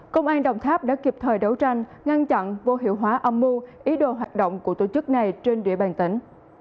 công an đồng tháp đã kịp thời đấu tranh ngăn chặn vô hiệu hóa âm mưu ý đồ hoạt động của tổ chức này trên địa bàn tỉnh